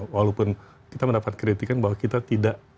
walaupun kita mendapat kritikan bahwa kita tidak